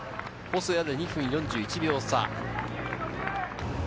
細谷で２分４１秒差。